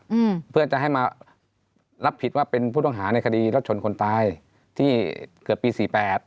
อืมเพื่อจะให้มารับผิดว่าเป็นผู้ต้องหาในคดีรถชนคนตายที่เกิดปีสี่แปด